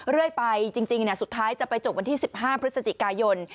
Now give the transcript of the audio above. เรื่อยไปจริงสุดท้ายจะไปจบวันที่๑๕พฤศจิกายน